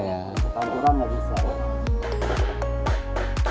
berkantoran nggak bisa